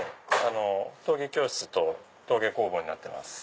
陶芸教室と陶芸工房になってます。